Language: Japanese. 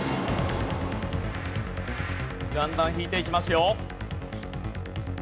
だんだん引いていきますよ。